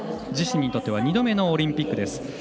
自身にとっては２度目のオリンピック。